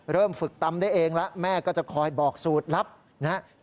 เริ่มฝึกตำได้เองแล้วแม่ก็จะคอยบอกสูตรลับนะครับ